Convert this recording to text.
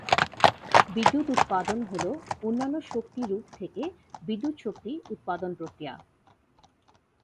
বিদ্যুৎ উৎপাদন হলো অন্যান্য শক্তি রূপ থেকে বিদ্যুৎ শক্তি উৎপাদন প্রক্রিয়া।